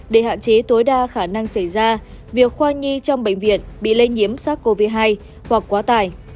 để hạn chế tối đa khả năng xảy ra việc khoa nhi trong bệnh viện bị lây nhiếm sát covid một mươi chín hoặc quá tải